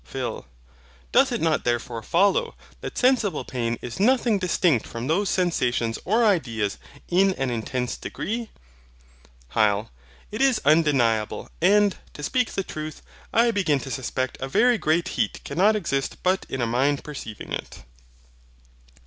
PHIL. Doth it not therefore follow, that sensible pain is nothing distinct from those sensations or ideas, in an intense degree? HYL. It is undeniable; and, to speak the truth, I begin to suspect a very great heat cannot exist but in a mind perceiving it.